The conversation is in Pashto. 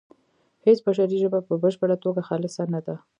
هیڅ بشري ژبه په بشپړه توګه خالصه نه ده